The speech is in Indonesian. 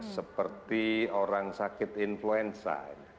seperti orang sakit influenza